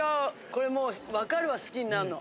これもうわかるわ好きになんの。